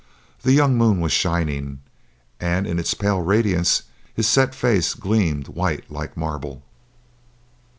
The young moon was shining, and in its pale radiance his set face gleamed white like marble.